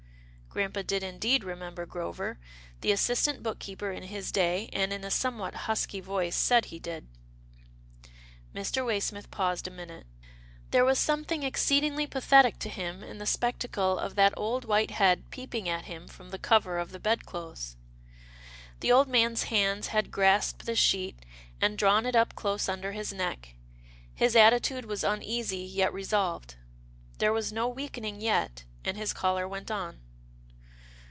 Grampa did indeed remember Grover, the assist ant book keeper in his day, and in a somewhat husky voice said he did. Mr. Waysmith paused a minute. There was something exceedingly pathetic to him in the spec tacle of that old white head peeping at him from the cover of the bedclothes. The old man's hands had grasped the sheet, and drawn it up close under his neck — his attitude was uneasy yet resolved. There was no weakening yet, and his caller went on.